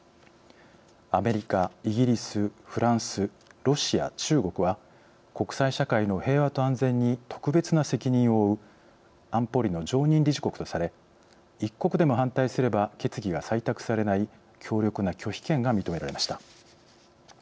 アメリカ・イギリス・フランス・ロシア・中国は国際社会の平和と安全に特別な責任を負う安保理の常任理事国とされ１国でも反対すれば決議が採択されない強力な拒否権が認められました。